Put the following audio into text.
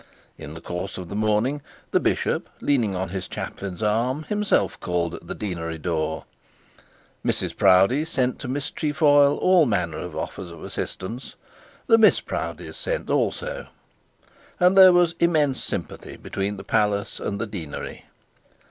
In the course of the morning, the bishop, leaning on his chaplain's arm, himself called at the deanery door. Mrs Proudie sent to Miss Trefoil all manner of offers of assistance. The Miss Proudies sent also, and there was immense sympathy between the palace and the deanery.